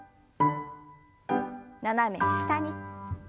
斜め下に。